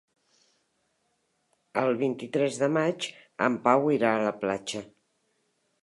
El vint-i-tres de maig en Pau irà a la platja.